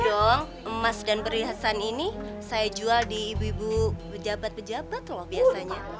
dong emas dan perhiasan ini saya jual di ibu ibu pejabat pejabat loh biasanya